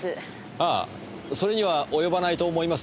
ああそれには及ばないと思いますよ。